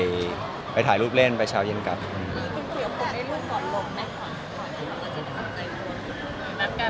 คุณเขียวผมได้รูปก่อนลงได้หรือเปล่าคุณเขียวผมได้รูปก่อนลงได้หรือเปล่า